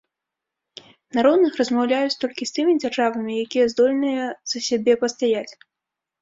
На роўных размаўляюць толькі з тымі дзяржавамі, якія здольныя за сябе пастаяць.